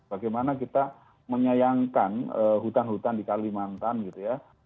bagaimana kita menyayangkan hutan hutan di kalimantan gitu ya